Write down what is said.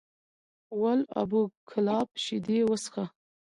ول ابو کلاب شیدې وڅښه!